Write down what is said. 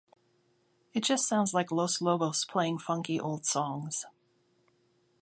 It just sounds like Los Lobos playing funky old songs.